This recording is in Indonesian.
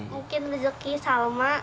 mungkin rezeki salma